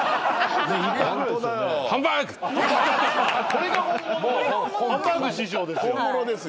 これが本物のハンバーグ師匠ですよ。